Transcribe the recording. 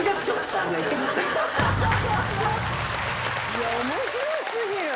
いや面白すぎる！